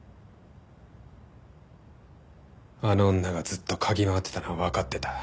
あの女がずっと嗅ぎ回ってたのはわかってた。